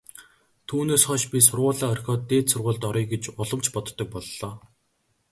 Түүнээс хойш би сургуулиа орхиод дээд сургуульд оръё гэж улам ч боддог боллоо.